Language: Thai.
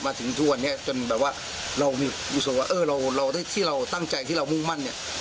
มาถึงทุกวันนี้จนแบบว่าเรารู้สึกว่าเออเราที่เราตั้งใจที่เรามุ่งมั่นเนี่ย